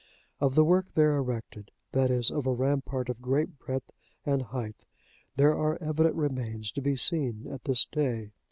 Of the work there erected, that is, of a rampart of great breadth and height, there are evident remains to be seen at this day.